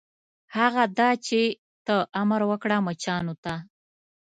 هغه دا چې ته امر وکړه مچانو ته.